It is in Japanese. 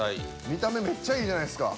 見た目めっちゃいいじゃないすか。